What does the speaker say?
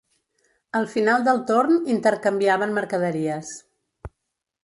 Al final del torn intercanviaven mercaderies.